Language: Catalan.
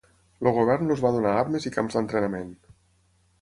El govern els va donar armes i camps d'entrenament.